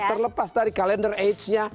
terlepas dari kalender agenya